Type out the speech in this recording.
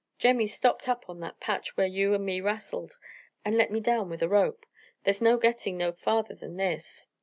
Jemmy stopped up on that patch where you and me wrastled, and let me down with a rope. There's no getting no farther than this."